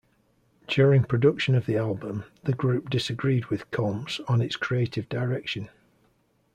During production of the album, the group disagreed with Combs on its creative direction.